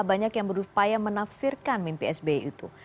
banyak yang berupaya menafsirkan mimpi sbi itu